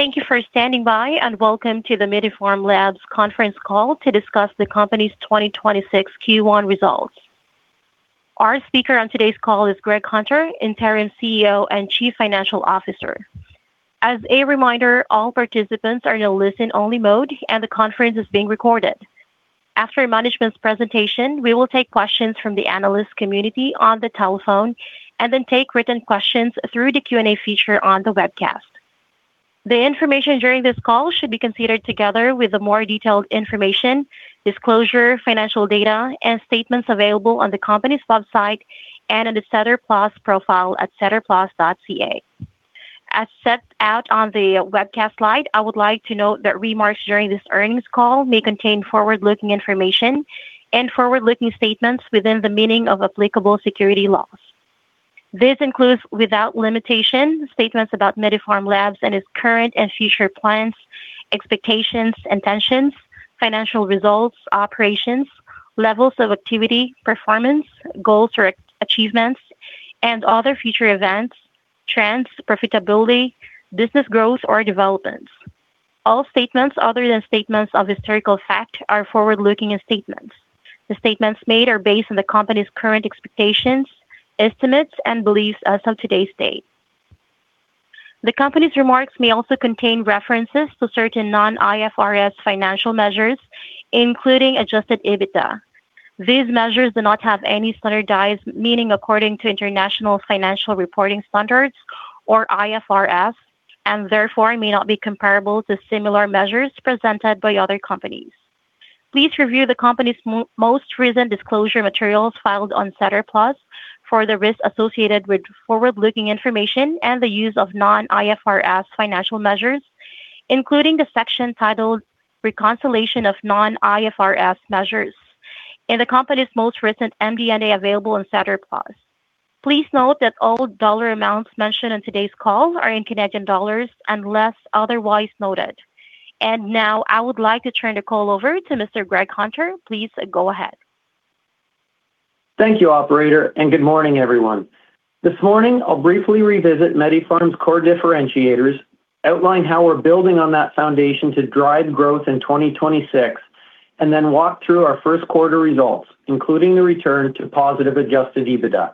Thank you for standing by, welcome to the MediPharm Labs conference call to discuss the company's 2026 Q1 results. Our speaker on today's call is Greg Hunter, Interim CEO and Chief Financial Officer. As a reminder, all participants are in a listen-only mode, and the conference is being recorded. After management's presentation, we will take questions from the analyst community on the telephone and then take written questions through the Q&A feature on the webcast. The information during this call should be considered together with the more detailed information, disclosure, financial data, and statements available on the company's website and on the SEDAR+ profile at sedarplus.ca. As set out on the webcast slide, I would like to note that remarks during this earnings call may contain forward-looking information and forward-looking statements within the meaning of applicable security laws. This includes, without limitation, statements about MediPharm Labs and its current and future plans, expectations, intentions, financial results, operations, levels of activity, performance, goals or achievements, and other future events, trends, profitability, business growth, or developments. All statements other than statements of historical fact are forward-looking statements. The statements made are based on the company's current expectations, estimates, and beliefs as of today's date. The company's remarks may also contain references to certain non-IFRS financial measures, including adjusted EBITDA. These measures do not have any standardized meaning according to International Financial Reporting Standards or IFRS, and therefore may not be comparable to similar measures presented by other companies. Please review the company's most recent disclosure materials filed on SEDAR+ for the risks associated with forward-looking information and the use of non-IFRS financial measures, including the section titled "Reconciliation of Non-IFRS Measures" in the company's most recent MD&A available on SEDAR+. Please note that all dollar amounts mentioned in today's call are in Canadian dollars unless otherwise noted. Now I would like to turn the call over to Mr. Greg Hunter. Please go ahead. Thank you, operator, and good morning, everyone. This morning, I'll briefly revisit MediPharm's core differentiators, outline how we're building on that foundation to drive growth in 2026, and then walk through our first quarter results, including the return to positive adjusted EBITDA.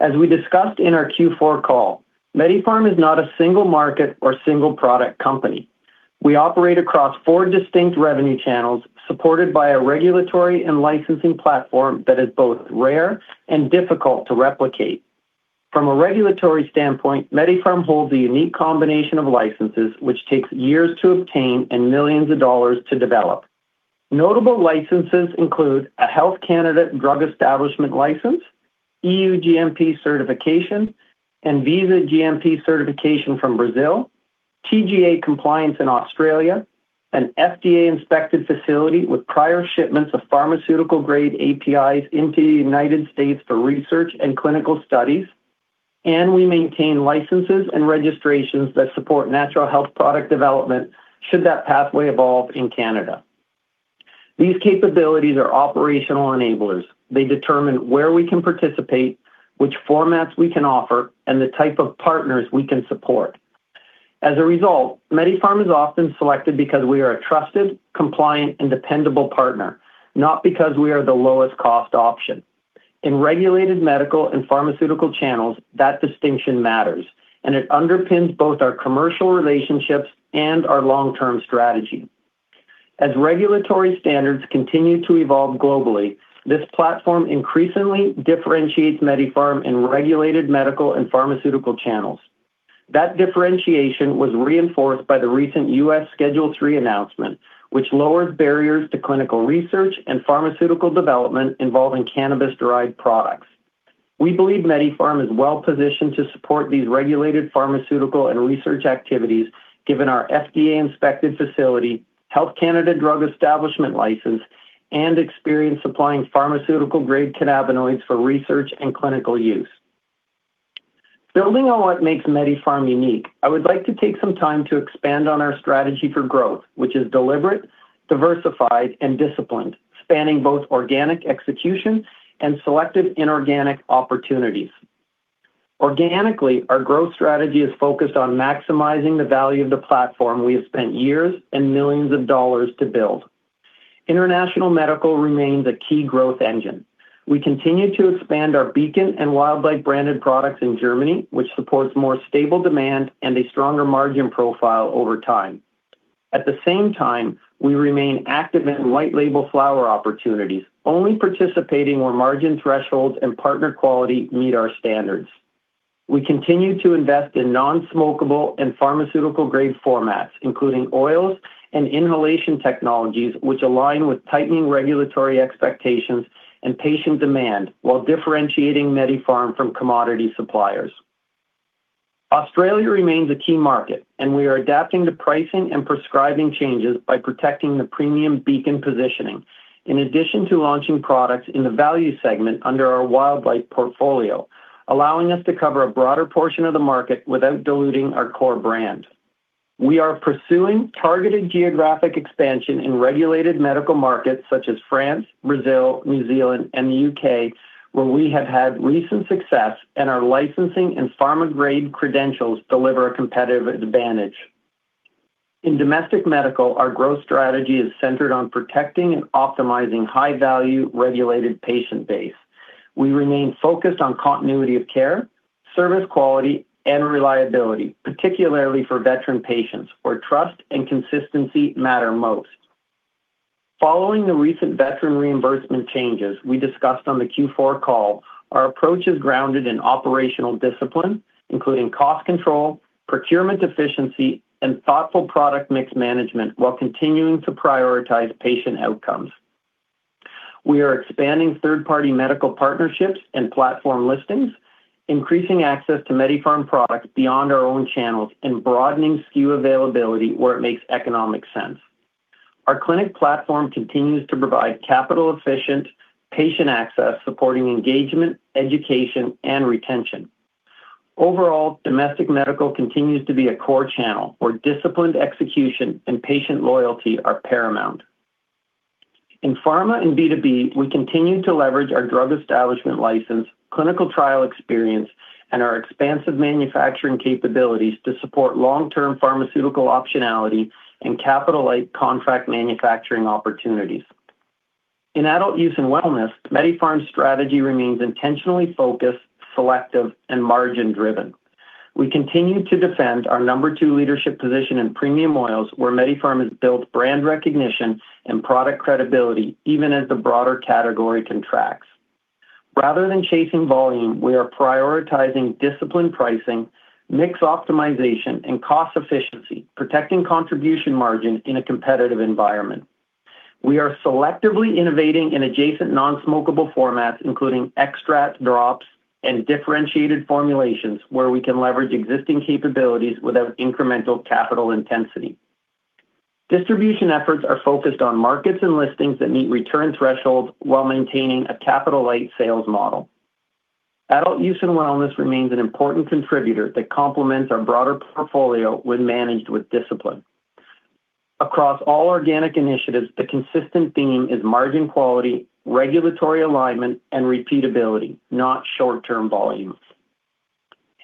As we discussed in our Q4 call, MediPharm is not a single market or single product company. We operate across four distinct revenue channels supported by a regulatory and licensing platform that is both rare and difficult to replicate. From a regulatory standpoint, MediPharm holds a unique combination of licenses, which takes years to obtain and millions of dollars to develop. Notable licenses include a Health Canada Drug Establishment Licence, EU-GMP certification, ANVISA GMP certification from Brazil, TGA compliance in Australia, an FDA-inspected facility with prior shipments of pharmaceutical-grade APIs into the U.S. for research and clinical studies, and we maintain licenses and registrations that support natural health product development should that pathway evolve in Canada. These capabilities are operational enablers. They determine where we can participate, which formats we can offer, and the type of partners we can support. As a result, MediPharm is often selected because we are a trusted, compliant, and dependable partner, not because we are the lowest cost option. In regulated medical and pharmaceutical channels, that distinction matters, and it underpins both our commercial relationships and our long-term strategy. As regulatory standards continue to evolve globally, this platform increasingly differentiates MediPharm in regulated medical and pharmaceutical channels. That differentiation was reinforced by the recent U.S. Schedule III announcement, which lowers barriers to clinical research and pharmaceutical development involving cannabis-derived products. We believe MediPharm is well-positioned to support these regulated pharmaceutical and research activities given our FDA-inspected facility, Health Canada Drug Establishment Licence, and experience supplying pharmaceutical-grade cannabinoids for research and clinical use. Building on what makes MediPharm unique, I would like to take some time to expand on our strategy for growth, which is deliberate, diversified, and disciplined, spanning both organic execution and selective inorganic opportunities. Organically, our growth strategy is focused on maximizing the value of the platform we have spent years and millions of dollars to build. International medical remains a key growth engine. We continue to expand our Beacon and Wildlife branded products in Germany, which supports more stable demand and a stronger margin profile over time. At the same time, we remain active in white label flower opportunities, only participating where margin thresholds and partner quality meet our standards. We continue to invest in non-smokable and pharmaceutical-grade formats, including oils and inhalation technologies, which align with tightening regulatory expectations and patient demand while differentiating MediPharm from commodity suppliers. Australia remains a key market, and we are adapting to pricing and prescribing changes by protecting the premium Beacon positioning. In addition to launching products in the value segment under our Wildlife portfolio, allowing us to cover a broader portion of the market without diluting our core brand. We are pursuing targeted geographic expansion in regulated medical markets such as France, Brazil, New Zealand, and the U.K., where we have had recent success and our licensing and pharma-grade credentials deliver a competitive advantage. In domestic medical, our growth strategy is centered on protecting and optimizing high-value regulated patient base. We remain focused on continuity of care, service quality, and reliability, particularly for veteran patients where trust and consistency matter most. Following the recent veteran reimbursement changes we discussed on the Q4 call, our approach is grounded in operational discipline, including cost control, procurement efficiency, and thoughtful product mix management while continuing to prioritize patient outcomes. We are expanding third-party medical partnerships and platform listings, increasing access to MediPharm products beyond our own channels, and broadening SKU availability where it makes economic sense. Our clinic platform continues to provide capital-efficient patient access, supporting engagement, education, and retention. Overall, domestic medical continues to be a core channel where disciplined execution and patient loyalty are paramount. In pharma and B2B, we continue to leverage our Drug Establishment Licence, clinical trial experience, and our expansive manufacturing capabilities to support long-term pharmaceutical optionality and capitalize contract manufacturing opportunities. In adult use and wellness, MediPharm's strategy remains intentionally focused, selective, and margin-driven. We continue to defend our number two leadership position in premium oils where MediPharm has built brand recognition and product credibility even as the broader category contracts. Rather than chasing volume, we are prioritizing disciplined pricing, mix optimization, and cost efficiency, protecting contribution margin in a competitive environment. We are selectively innovating in adjacent non-smokable formats, including extracts, drops, and differentiated formulations where we can leverage existing capabilities without incremental capital intensity. Distribution efforts are focused on markets and listings that meet return thresholds while maintaining a capital-light sales model. Adult use and wellness remains an important contributor that complements our broader portfolio when managed with discipline. Across all organic initiatives, the consistent theme is margin quality, regulatory alignment, and repeatability, not short-term volume.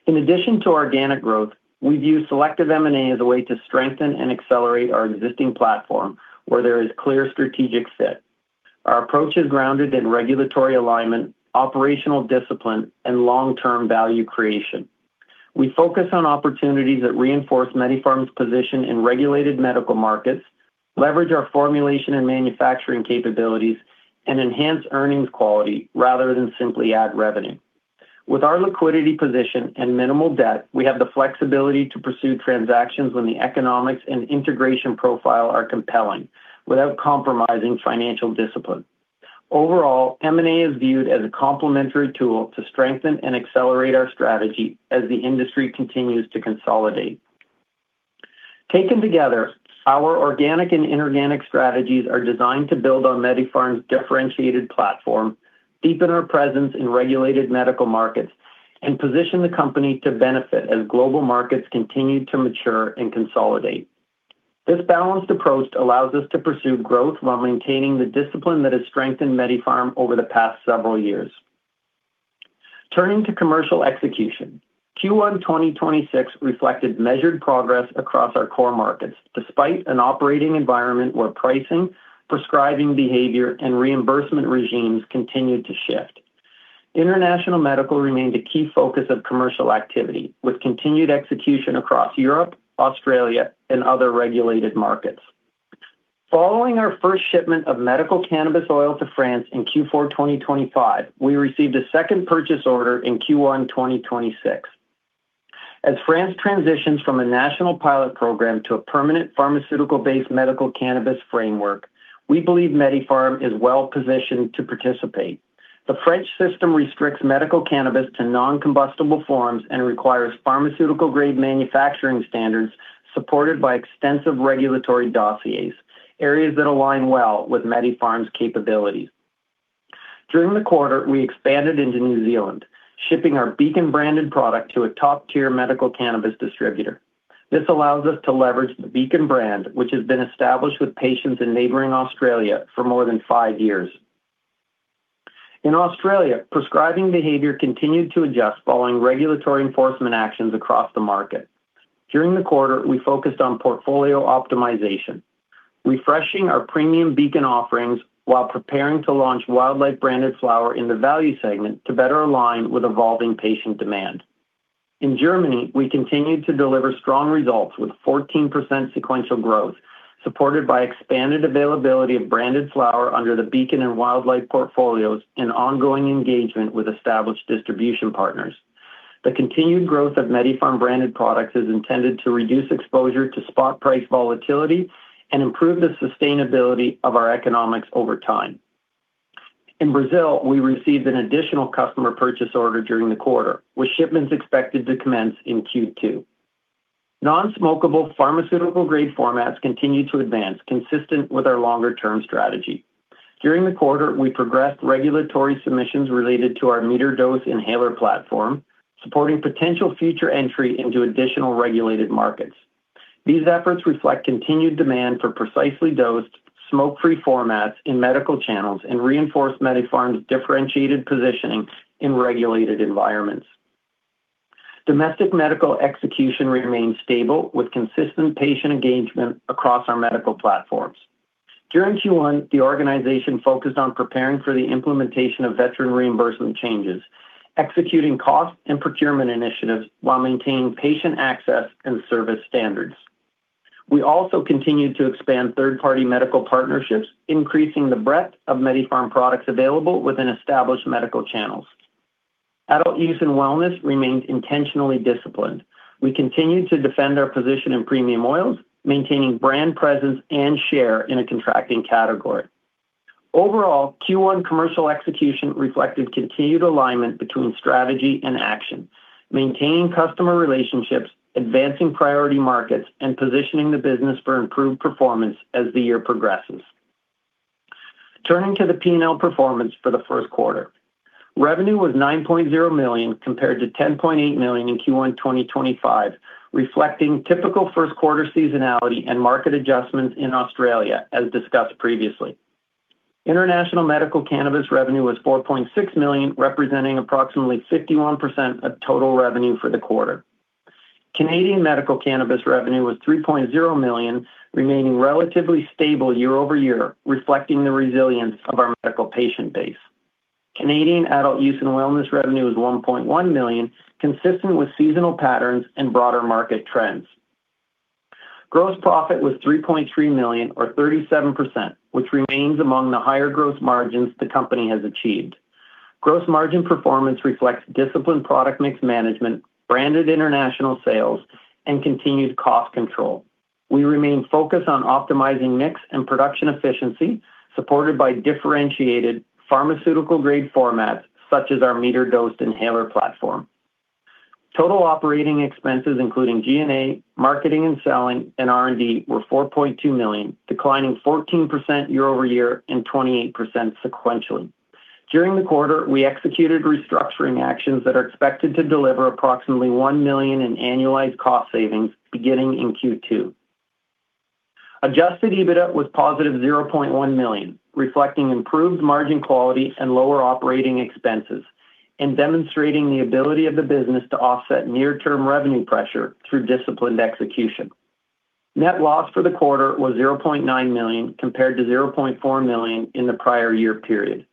In addition to organic growth, we view selective M&A as a way to strengthen and accelerate our existing platform where there is clear strategic fit. Our approach is grounded in regulatory alignment, operational discipline, and long-term value creation. We focus on opportunities that reinforce MediPharm's position in regulated medical markets, leverage our formulation and manufacturing capabilities, and enhance earnings quality rather than simply add revenue. With our liquidity position and minimal debt, we have the flexibility to pursue transactions when the economics and integration profile are compelling without compromising financial discipline. Overall, M&A is viewed as a complementary tool to strengthen and accelerate our strategy as the industry continues to consolidate. Taken together, our organic and inorganic strategies are designed to build on MediPharm's differentiated platform, deepen our presence in regulated medical markets, and position the company to benefit as global markets continue to mature and consolidate. This balanced approach allows us to pursue growth while maintaining the discipline that has strengthened MediPharm over the past several years. Turning to commercial execution, Q1 2026 reflected measured progress across our core markets despite an operating environment where pricing, prescribing behavior, and reimbursement regimes continued to shift. International medical remained a key focus of commercial activity with continued execution across Europe, Australia, and other regulated markets. Following our first shipment of medical cannabis oil to France in Q4 2025, we received a second purchase order in Q1 2026. As France transitions from a national pilot program to a permanent pharmaceutical-based medical cannabis framework, we believe MediPharm is well-positioned to participate. The French system restricts medical cannabis to non-combustible forms and requires pharmaceutical-grade manufacturing standards supported by extensive regulatory dossiers, areas that align well with MediPharm's capabilities. During the quarter, we expanded into New Zealand, shipping our Beacon-branded product to a top-tier medical cannabis distributor. This allows us to leverage the Beacon brand, which has been established with patients in neighboring Australia for more than five years. In Australia, prescribing behavior continued to adjust following regulatory enforcement actions across the market. During the quarter, we focused on portfolio optimization, refreshing our premium Beacon offerings while preparing to launch Wildlife-branded flower in the value segment to better align with evolving patient demand. In Germany, we continued to deliver strong results with 14% sequential growth, supported by expanded availability of branded flower under the Beacon and Wildlife portfolios and ongoing engagement with established distribution partners. The continued growth of MediPharm-branded products is intended to reduce exposure to spot price volatility and improve the sustainability of our economics over time. In Brazil, we received an additional customer purchase order during the quarter, with shipments expected to commence in Q2. Non-smokable pharmaceutical-grade formats continue to advance consistent with our longer-term strategy. During the quarter, we progressed regulatory submissions related to our metered-dose inhaler platform, supporting potential future entry into additional regulated markets. These efforts reflect continued demand for precisely dosed, smoke-free formats in medical channels and reinforce MediPharm's differentiated positioning in regulated environments. Domestic medical execution remains stable with consistent patient engagement across our medical platforms. During Q1, the organization focused on preparing for the implementation of veteran reimbursement changes, executing cost and procurement initiatives, while maintaining patient access and service standards. We also continued to expand third-party medical partnerships, increasing the breadth of MediPharm products available within established medical channels. Adult use and wellness remained intentionally disciplined. We continued to defend our position in premium oils, maintaining brand presence and share in a contracting category. Overall, Q1 commercial execution reflected continued alignment between strategy and action, maintaining customer relationships, advancing priority markets, and positioning the business for improved performance as the year progresses. Turning to the P&L performance for the first quarter. Revenue was 9.0 million compared to 10.8 million in Q1 2025, reflecting typical first quarter seasonality and market adjustments in Australia, as discussed previously. International medical cannabis revenue was 4.6 million, representing approximately 51% of total revenue for the quarter. Canadian medical cannabis revenue was 3.0 million, remaining relatively stable year-over-year, reflecting the resilience of our medical patient base. Canadian adult use and wellness revenue was 1.1 million, consistent with seasonal patterns and broader market trends. Gross profit was 3.3 million or 37%, which remains among the higher gross margins the company has achieved. Gross margin performance reflects disciplined product mix management, branded international sales, and continued cost control. We remain focused on optimizing mix and production efficiency, supported by differentiated pharmaceutical-grade formats, such as our metered-dose inhaler platform. Total operating expenses, including G&A, marketing and selling, and R&D, were 4.2 million, declining 14% year-over-year and 28% sequentially. During the quarter, we executed restructuring actions that are expected to deliver approximately 1 million in annualized cost savings beginning in Q2. Adjusted EBITDA was positive 0.1 million, reflecting improved margin quality and lower operating expenses, demonstrating the ability of the business to offset near-term revenue pressure through disciplined execution. Net loss for the quarter was 0.9 million, compared to 0.4 million in the prior year period.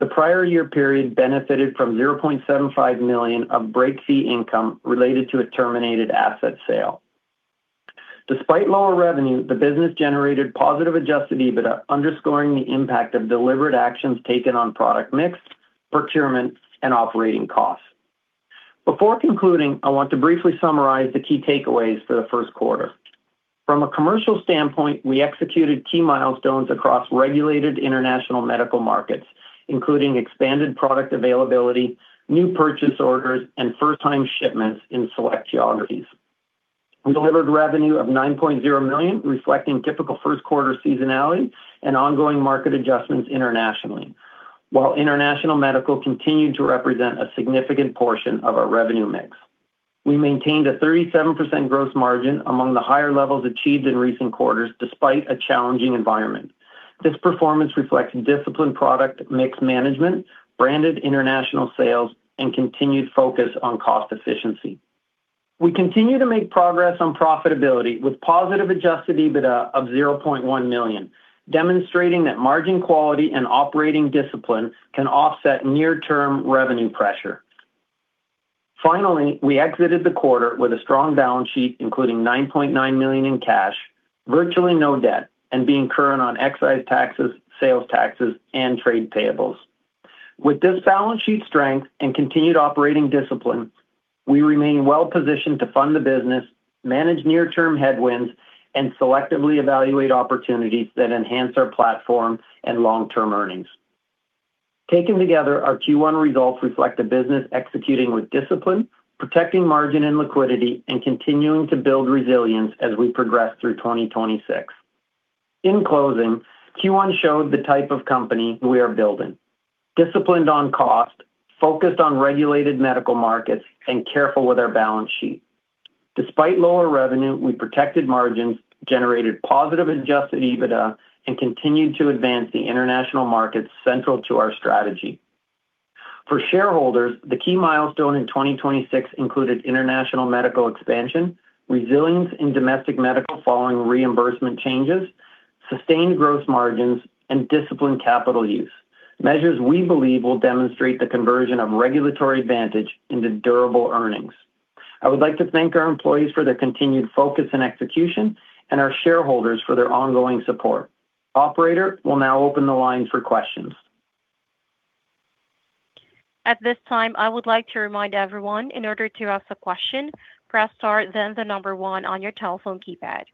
The prior year period benefited from 0.75 million of break fee income related to a terminated asset sale. Despite lower revenue, the business generated positive adjusted EBITDA, underscoring the impact of deliberate actions taken on product mix, procurement, and operating costs. Before concluding, I want to briefly summarize the key takeaways for the first quarter. From a commercial standpoint, we executed key milestones across regulated international medical markets, including expanded product availability, new purchase orders, and first-time shipments in select geographies. We delivered revenue of 9.0 million, reflecting typical first quarter seasonality and ongoing market adjustments internationally. While international medical continued to represent a significant portion of our revenue mix, we maintained a 37% gross margin among the higher levels achieved in recent quarters, despite a challenging environment. This performance reflects disciplined product mix management, branded international sales, and continued focus on cost efficiency. We continue to make progress on profitability with positive adjusted EBITDA of 0.1 million, demonstrating that margin quality and operating discipline can offset near-term revenue pressure. Finally, we exited the quarter with a strong balance sheet, including 9.9 million in cash, virtually no debt, and being current on excise taxes, sales taxes, and trade payables. With this balance sheet strength and operating discipline, we remain well-positioned to fund the business, manage near-term headwinds, and selectively evaluate opportunities that enhance our platform and long-term earnings. Taken together, our Q1 results reflect a business executing with discipline, protecting margin and liquidity, and continuing to build resilience as we progress through 2026. In closing, Q1 showed the type of company we are building. Disciplined on cost, focused on regulated medical markets, and careful with our balance sheet. Despite lower revenue, we protected margins, generated positive adjusted EBITDA, and continued to advance the international markets central to our strategy. For shareholders, the key milestone in 2026 included international medical expansion, resilience in domestic medical following reimbursement changes, sustained gross margins, and disciplined capital use, measures we believe will demonstrate the conversion of regulatory advantage into durable earnings. I would like to thank our employees for their continued focus and execution and our shareholders for their ongoing support. Operator, we'll now open the line for questions. At this time, I would like to remind everyone, in order to ask a question, press star then the one on your telephone keypad.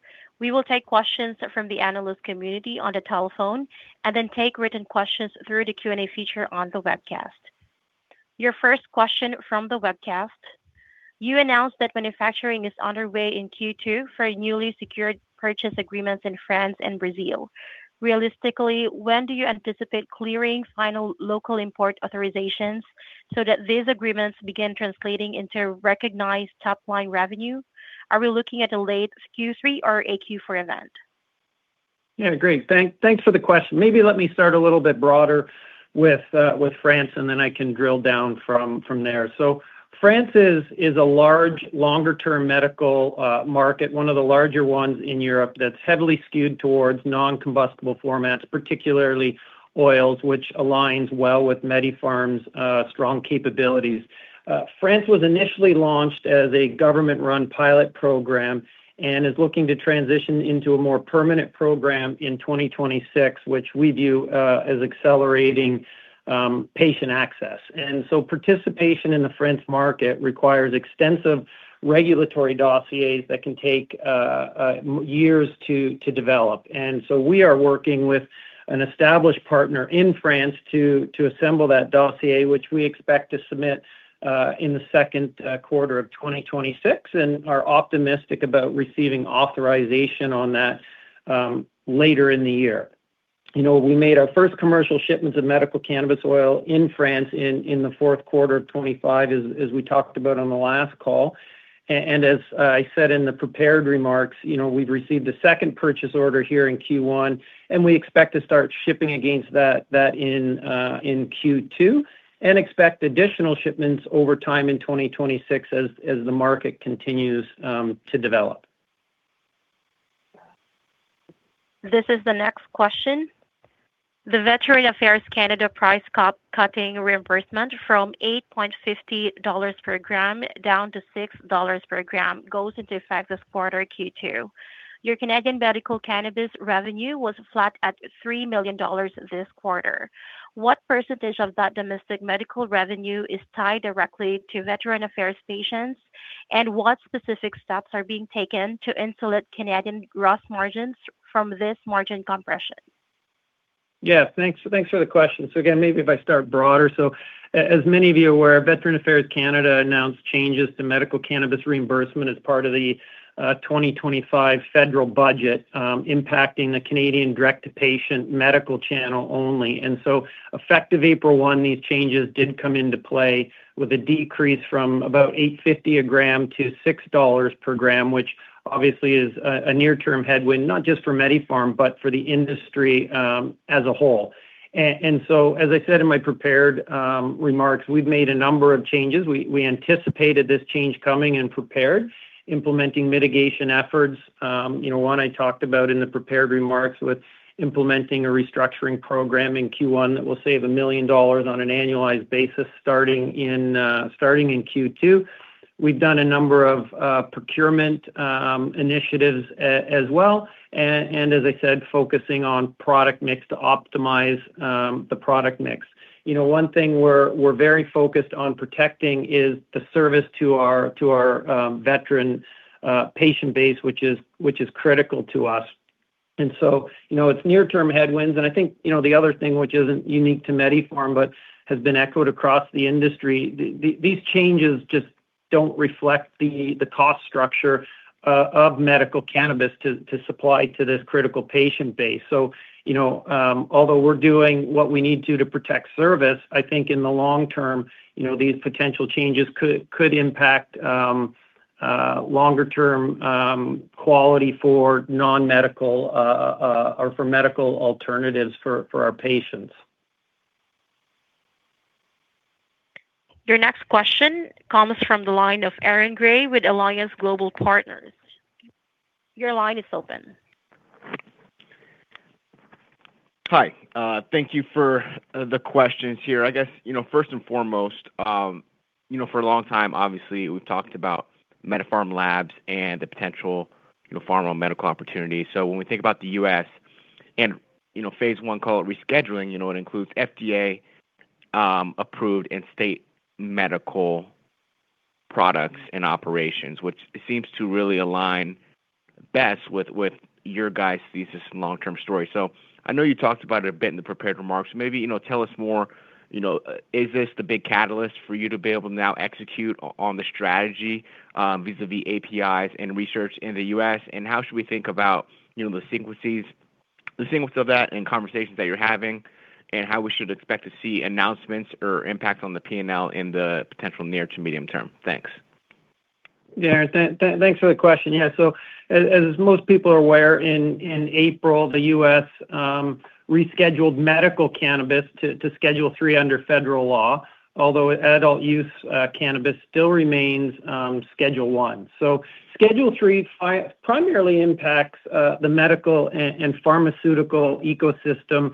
We will take questions from the analyst community on the telephone and then take written questions through the Q&A feature on the webcast. Your first question from the webcast. You announced that manufacturing is underway in Q2 for newly secured purchase agreements in France and Brazil. Realistically, when do you anticipate clearing final local import authorizations so that these agreements begin translating into recognized top-line revenue? Are we looking at a late Q3 or a Q4 event? Yeah, great. Thanks for the question. Maybe let me start a little bit broader with France, and then I can drill down from there. France is a large longer-term medical market, one of the larger ones in Europe that's heavily skewed towards non-combustible formats, particularly oils, which aligns well with MediPharm's strong capabilities. France was initially launched as a government-run pilot program and is looking to transition into a more permanent program in 2026, which we view as accelerating patient access. Participation in the French market requires extensive regulatory dossiers that can take years to develop. We are working with an established partner in France to assemble that dossier, which we expect to submit in the second quarter of 2026, and are optimistic about receiving authorization on that later in the year. You know, we made our first commercial shipments of medical cannabis oil in France in the fourth quarter of 2025 as we talked about on the last call. As I said in the prepared remarks, you know, we've received a second purchase order here in Q1, and we expect to start shipping against that in Q2, and expect additional shipments over time in 2026 as the market continues to develop. This is the next question. The Veterans Affairs Canada price cap-cutting reimbursement from 8.50 dollars per gram down to 6 dollars per gram goes into effect this quarter, Q2. Your Canadian medical cannabis revenue was flat at 3 million dollars this quarter. What percentage of that domestic medical revenue is tied directly to Veterans Affairs patients? What specific steps are being taken to insulate Canadian gross margins from this margin compression? Yeah. Thanks for the question. Again, maybe if I start broader. As many of you are aware, Veterans Affairs Canada announced changes to medical cannabis reimbursement as part of the 2025 federal budget, impacting the Canadian direct-to-patient medical channel only. Effective April 1, these changes did come into play with a decrease from about 8.50 a gram to 6 dollars per gram, which obviously is a near-term headwind, not just for MediPharm, but for the industry as a whole. As I said in my prepared remarks, we've made a number of changes. We anticipated this change coming and prepared, implementing mitigation efforts. You know, one I talked about in the prepared remarks with implementing a restructuring program in Q1 that will save 1 million dollars on an annualized basis starting in Q2. We've done a number of procurement initiatives as well, as I said, focusing on product mix to optimize the product mix. You know, one thing we're very focused on protecting is the service to our veteran patient base, which is critical to us. You know, it's near-term headwinds, and I think, you know, the other thing which isn't unique to MediPharm but has been echoed across the industry, these changes just don't reflect the cost structure of medical cannabis to supply to this critical patient base. You know, although we're doing what we need to protect service, I think in the long term, you know, these potential changes could impact longer-term quality for non-medical or for medical alternatives for our patients. Your next question comes from the line of Aaron Gray with Alliance Global Partners. Your line is open. Hi. Thank you for the questions here. I guess, you know, first and foremost, you know, for a long time, obviously, we've talked about MediPharm Labs and the potential, you know, pharma medical opportunity. When we think about the U.S. and, you know, phase I call it rescheduling, you know, it includes FDA-approved and state medical products and operations, which seems to really align best with your guys' thesis and long-term story. I know you talked about it a bit in the prepared remarks. Maybe, you know, tell us more, you know, is this the big catalyst for you to be able to now execute on the strategy, vis-à-vis APIs and research in the U.S.? How should we think about, you know, the sequence of that and conversations that you're having and how we should expect to see announcements or impact on the P&L in the potential near to medium term? Thanks. Thanks for the question. As most people are aware, in April, the U.S. rescheduled medical cannabis to Schedule III under federal law, although adult use cannabis still remains Schedule I. Schedule III primarily impacts the medical and pharmaceutical ecosystem,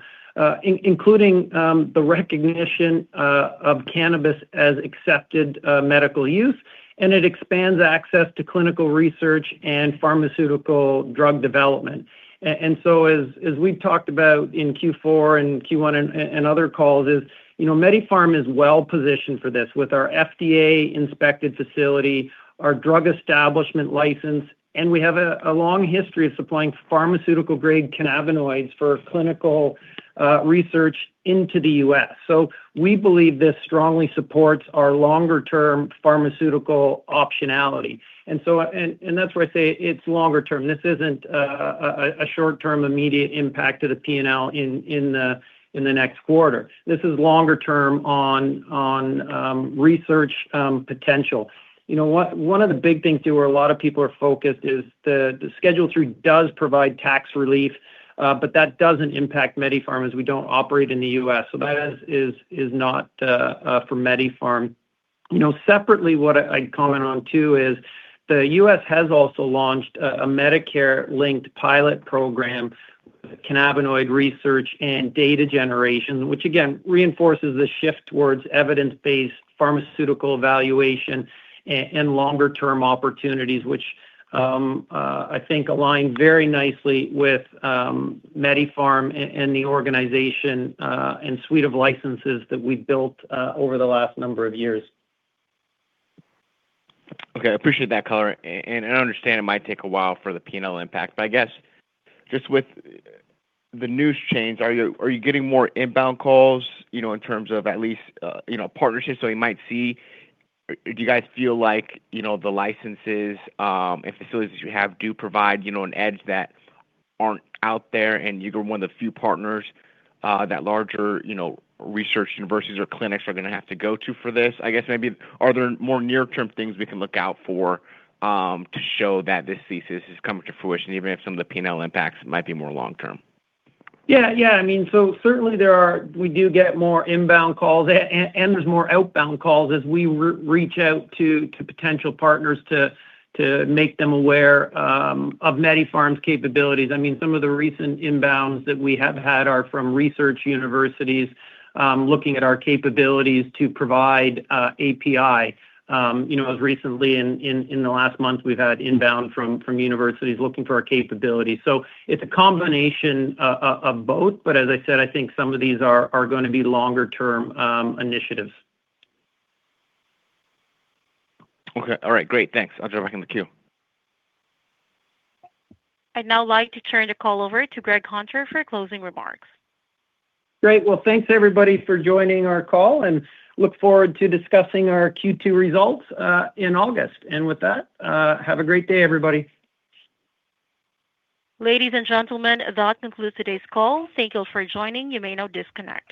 including the recognition of cannabis as accepted medical use, and it expands access to clinical research and pharmaceutical drug development. As we've talked about in Q4 and Q1 and other calls is, you know, MediPharm is well positioned for this with our FDA-inspected facility, our Drug Establishment Licence, and we have a long history of supplying pharmaceutical-grade cannabinoids for clinical research into the U.S. We believe this strongly supports our longer-term pharmaceutical optionality. That's why I say it's longer-term. This isn't a short-term immediate impact to the P&L in the next quarter. This is longer-term on research potential. You know, one of the big things too where a lot of people are focused is the Schedule III does provide tax relief, but that doesn't impact MediPharm as we don't operate in the U.S. That is not for MediPharm. You know, separately, what I'd comment on too is the U.S. has also launched a Medicare-linked pilot program, cannabinoid research and data generation, which again reinforces the shift towards evidence-based pharmaceutical evaluation and longer-term opportunities, which I think align very nicely with MediPharm and the organization and suite of licenses that we've built over the last number of years. Okay. I appreciate that color. I understand it might take a while for the P&L impact. I guess just with the news change, are you getting more inbound calls, you know, in terms of at least, you know, partnerships so we might see? Do you guys feel like, you know, the licenses and facilities that you have do provide, you know, an edge that aren't out there, and you are one of the few partners that larger, you know, research universities or clinics are gonna have to go to for this? I guess maybe are there more near-term things we can look out for to show that this thesis is coming to fruition, even if some of the P&L impacts might be more long term? Yeah. Yeah. I mean, certainly we do get more inbound calls and there's more outbound calls as we reach out to potential partners to make them aware of MediPharm's capabilities. I mean, some of the recent inbounds that we have had are from research universities looking at our capabilities to provide API. You know, as recently in the last month, we've had inbound from universities looking for our capabilities. It's a combination of both, but as I said, I think some of these are gonna be longer-term initiatives. Okay. All right. Great. Thanks. I'll drop back in the queue. I'd now like to turn the call over to Greg Hunter for closing remarks. Great. Well, thanks everybody for joining our call, and look forward to discussing our Q2 results, in August. With that, have a great day, everybody. Ladies and gentlemen, that concludes today's call. Thank you for joining. You may now disconnect.